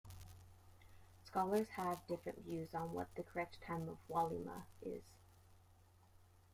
Scholars have different views on what the correct time of "walima" is.